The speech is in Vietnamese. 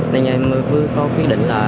mình cũng có quyết định là